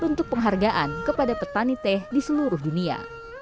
dan untuk menjaga kehargaan kepada petani teh di seluruh dunia